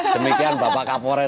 demikian bapak kapolres